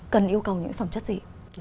cần yêu cầu những phẩm chất gì